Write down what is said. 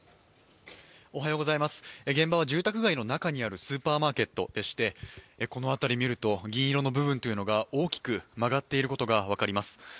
現場は住宅街の中にスーパーマーケットでして、この辺り、見ると、銀色の部分が大きく曲がっていることが分かります。